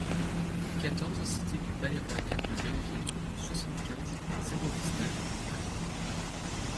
quatorze cité du Palais-Royal de Belleville, soixante-quinze, zéro dix-neuf, Paris